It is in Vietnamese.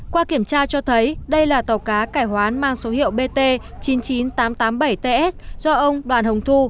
qua kiểm tra cho thấy đây là tàu cá cải hoán mang số hiệu bt chín mươi chín nghìn tám trăm tám mươi bảy ts do ông đoàn hồng thu